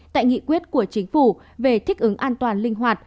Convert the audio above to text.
tại nghị quyết của chính phủ về thích ứng an toàn linh hoạt